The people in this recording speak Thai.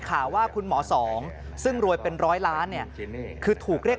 ข่าวว่าคุณหมอสองซึ่งรวยเป็นร้อยล้านเนี่ยคือถูกเรียก